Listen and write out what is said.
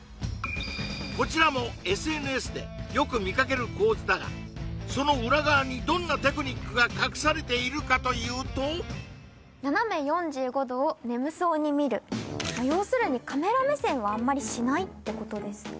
こちらもＳＮＳでよく見かける構図だがその裏側にどんなテクニックが隠されているかというとまあ要するにカメラ目線はあんまりしないってことです